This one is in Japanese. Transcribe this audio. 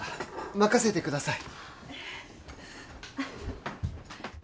任せてください